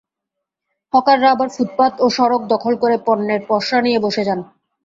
হকাররা আবার ফুটপাত ও সড়ক দখল করে পণ্যের পসরা নিয়ে বসে যান।